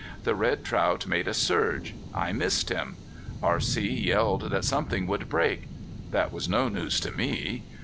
The red trout made a surge. I missed him. R.C. yelled that something would break. That was no news to me.